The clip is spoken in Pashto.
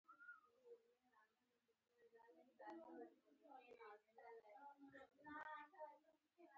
خو کمیس یې ګونځې او نیکټايي یې څیرې وه